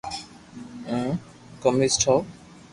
ھون قميس ٺاو